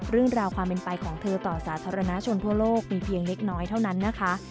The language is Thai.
เรื่องราวความเป็นไปของเธอต่อสาธารณชนทั่วโลกมีเพียงเล็กน้อยเท่านั้นนะคะ